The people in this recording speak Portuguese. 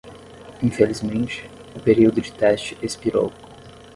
Infelizmente, o período de teste expirou.